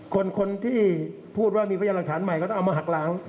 คนที่พูดว่ามีพยานหลักฐานใหม่ก็ต้องเอามาหักล้าง